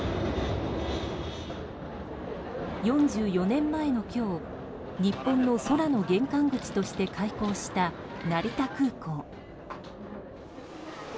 ４４年前の今日日本の空の玄関口として開港した成田空港。